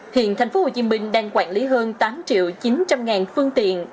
hiện thành phố hồ chí minh đang quản lý hơn tám triệu chín trăm linh ngàn phương tiện